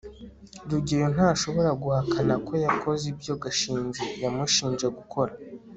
rugeyo ntashobora guhakana ko yakoze ibyo gashinzi yamushinje gukora